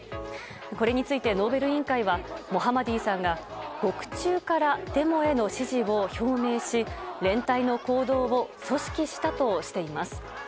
これについて、ノーベル委員会はモハマディさんが獄中からデモへの支持を表明し連帯の行動を組織したとしています。